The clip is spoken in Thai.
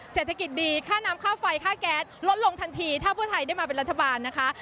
เศรษฐกิจดีค่าน้ำค่าไฟค่าแก๊สลดลงทันทีถ้าเพื่อไทยได้มาเป็นรัฐบาลนะคะ